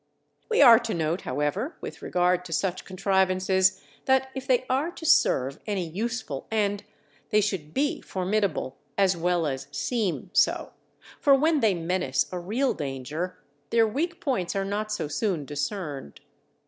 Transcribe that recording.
We are to note, however, with regard to such contrivances, that if they are to serve any useful end, they should be formidable as well as seem so; for when they menace a real danger, their weak points are not so soon discerned.